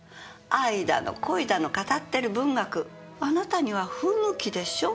愛だの恋だの語ってる文学あなたには不向きでしょ？